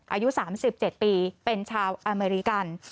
อายุ๓๗ปีเป็นชาวอเมริกัน